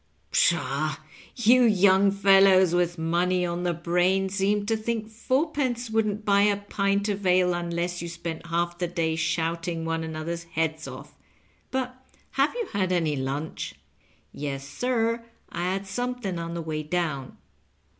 Psliaw, yon young fellows with money on the brain seem to think f onrpence wouldn't buy a pint of ale un less you spent half the day shouting one another's heads off. But have you had any lunch 2 "" Yes, sir, I had something on the way down."